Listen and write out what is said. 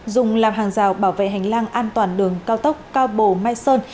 dùng làm hàng rào bảo vệ hành lang an toàn đường cao tốc cao bồ mai sơn